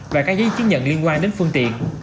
và các giấy chứng nhận liên quan đến phương tiện